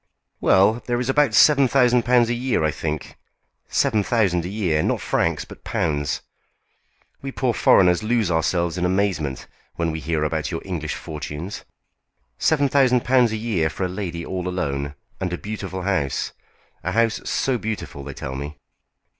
"Well, there is about seven thousand pounds a year, I think! Seven thousand a year! Not francs, but pounds! We poor foreigners lose ourselves in amazement when we hear about your English fortunes. Seven thousand pounds a year for a lady all alone, and a beau tiful house! A house so beautiful, they tell me!"